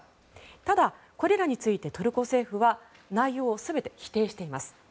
ただ、これらについてトルコ政府は内容を全て否定しています。